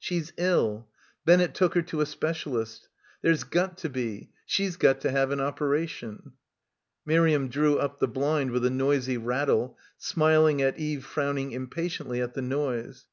"She's ill. Bennett took her to a specialist. There's got to be — she's got to have an opera tion." Miriam drew up the blind with a noisy rattle, smiling at Eve frowning impatiently at the noise.